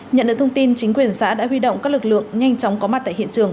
nhận được thông tin chính quyền xã đã huy động các lực lượng nhanh chóng có mặt tại hiện trường